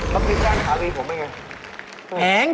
ต้องคิดได้ค่ะพี่ผมนี่ไง